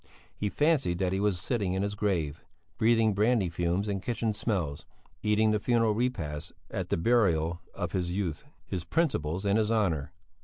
He fancied that he was sitting in his grave, breathing brandy fumes and kitchen smells, eating the funeral repast at the burial of his youth, his principles and his honour.